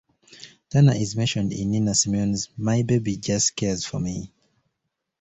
Turner is mentioned in Nina Simone's "My Baby Just Cares for Me".